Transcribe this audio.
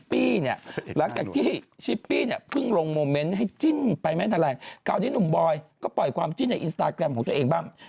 เพราะเอกหน้าหนวดบลอยบ่ายปากอน